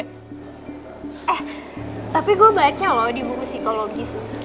eh tapi gue baca loh di buku psikologis